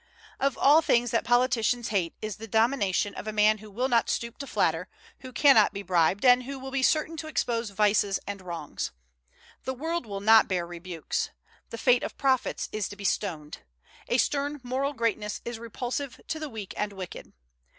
Of all things that politicians hate is the domination of a man who will not stoop to flatter, who cannot be bribed, and who will be certain to expose vices and wrongs. The world will not bear rebukes. The fate of prophets is to be stoned. A stern moral greatness is repulsive to the weak and wicked.